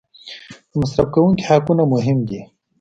د مصرف کوونکي حقونه مهم دي.